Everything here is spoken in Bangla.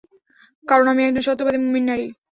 কারণ আমি একজন সত্যবাদী মুমিন নারী।